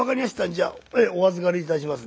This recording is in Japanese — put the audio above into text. じゃあお預かりいたします」。